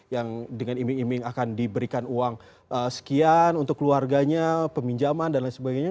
yang dengan iming iming akan diberikan uang sekian untuk keluarganya peminjaman dan lain sebagainya